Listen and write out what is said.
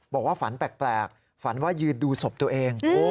บอกว่าฝันแปลกฝันว่ายืนดูศพตัวเอง